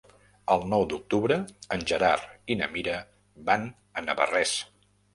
El nou d'octubre en Gerard i na Mira van a Navarrés.